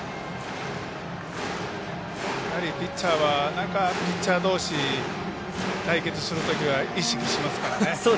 ピッチャーは、ピッチャーどうし対決するときは意識しますからね。